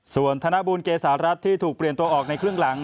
ส่วนธนบูลเกษารัฐที่ถูกเปลี่ยนตัวออกในครึ่งหลัง